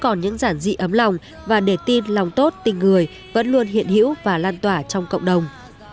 còn những giản dị ấm lòng và để tin lòng tốt tình người vẫn luôn hiện hữu và lan tỏa trong cộng đồng